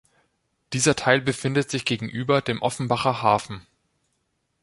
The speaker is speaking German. Dieser Teil befindet sich gegenüber dem Offenbacher Hafen.